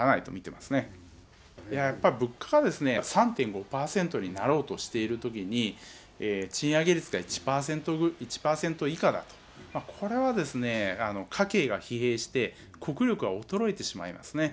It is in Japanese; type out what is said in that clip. いや、やっぱり物価は３．５％になろうとしているときに、賃上げ率が１％以下だと、これは家計が疲弊して、国力が衰えてしまいますね。